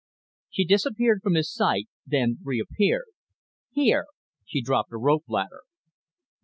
She disappeared from his sight, then reappeared. "Here." She dropped a rope ladder.